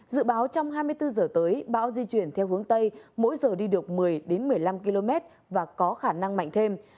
dự báo trong hai mươi bốn giờ tới bão di chuyển theo hướng tây mỗi giờ đi được một mươi một mươi năm km và có khả năng mạnh thêm